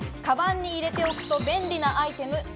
かばんに入れておくと便利なアイテム。